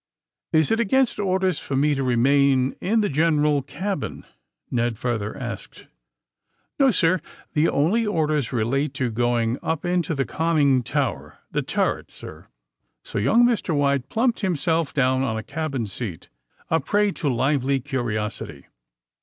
*^Is it against orders for me to remain in the general cabin?" Ned further asked. *^No, sir. The only orders relate to going up into the conning tower — the turret — sir." So young Mr. White plumped himself down on a cabin seat, a prey to lively curiosity.